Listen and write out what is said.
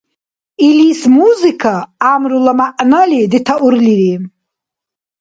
Илис музыка гӀямрула мягӀнали детаурлири.